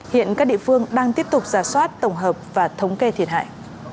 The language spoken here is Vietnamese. hiện các địa phương đang tiếp tục giả soát tổng hợp và thử nghiệm